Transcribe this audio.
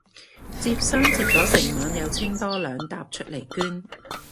摺衫摺咗成晚又清多兩疊出嚟捐